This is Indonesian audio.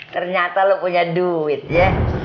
ternyata lu punya duitnya